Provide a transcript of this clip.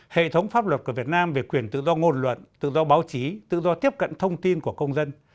hệ thống pháp luật của việt nam về quyền tự do ngôn luận tự do báo chí tự do tiếp cận thông tin của công dân